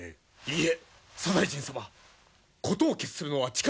いいえ左大臣様事を決するのは力。